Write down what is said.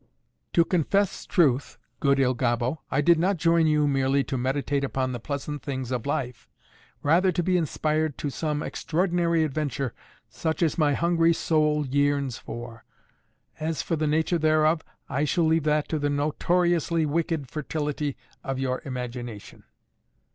"To confess truth, good Il Gobbo, I did not join you merely to meditate upon the pleasant things of life. Rather to be inspired to some extraordinary adventure such as my hungry soul yearns for. As for the nature thereof, I shall leave that to the notoriously wicked fertility of your imagination."